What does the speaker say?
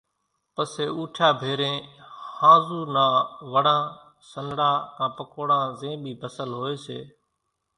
پسي اُوٺيا ڀيرين ۿانزُو نا وڙان، سنڙا ڪان پڪوڙان زين ٻي ڀسل ھوئي سي،